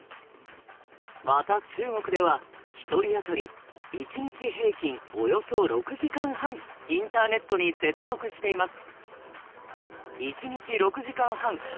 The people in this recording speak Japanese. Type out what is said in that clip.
また中国では１人あたり１日平均およそ６時間半インターネットに接続しています。